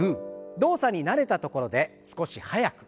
動作に慣れたところで少し速く。